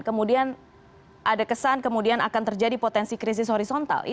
kemudian ada kesan kemudian akan terjadi potensi krisis horizontal